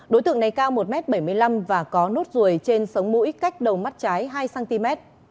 đối tượng này cao một m bảy mươi năm và có nốt ruồi trên sống mũi cách đầu mắt trái hai cm